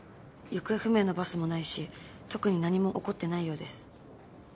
行方不明のバスもないし特に何も起こってないようです。